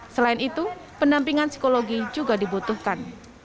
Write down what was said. selain itu pendampingan psikologi juga dibutuhkan